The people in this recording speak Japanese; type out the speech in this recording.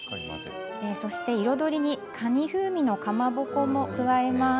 そして彩りにかに風味のかまぼこも加えます。